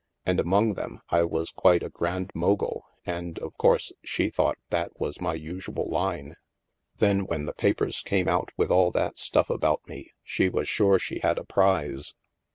And among them, I was quite a Grand Mogul and, of course, she thought that was my usual line. Then when the papers came out with all that stuff about me, she was sure she had a prize."